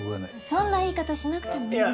そんな言い方しなくてもいいでしょ。